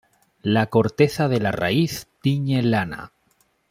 La corteza de la raíz tiñe lana.